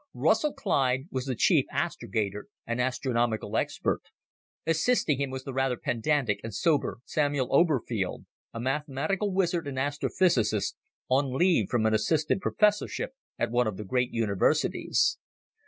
Russell Clyde was the chief astrogator and astronomical expert. Assisting him was the rather pedantic and sober Samuel Oberfield, a mathematical wizard and astrophysicist, on leave from an assistant professorship at one of the great universities.